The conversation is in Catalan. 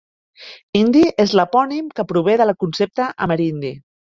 Indi és l'epònim que prové del concepte Amerindi.